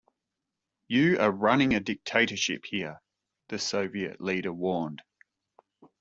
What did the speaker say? "You are running a dictatorship here," the Soviet leader warned.